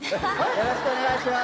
よろしくお願いします。